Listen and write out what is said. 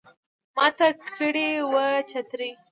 ماته کړي وه چترۍ